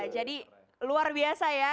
jadi luar biasa ya